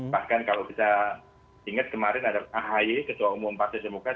bahkan kalau kita ingat kemarin ada ahy ketua umum partai demokrat